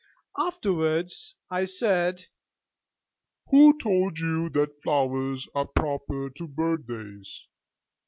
Afterwards I said: 'Who told you that flowers are proper to birthdays?